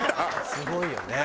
すごいよね。